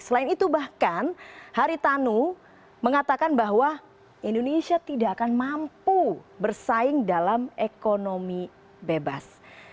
selain itu bahkan haritanu mengatakan bahwa indonesia tidak akan mampu bersaing dalam ekonomi bebas